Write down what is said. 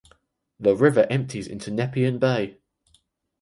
The river empties into Nepean Bay.